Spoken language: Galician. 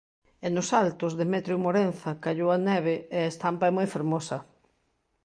E nos altos, Demetrio Morenza, callou a neve e a estampa é moi fermosa.